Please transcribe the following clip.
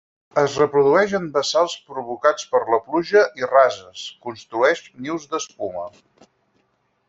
Es reprodueix en bassals provocats per la pluja i rases; construeix nius d'espuma.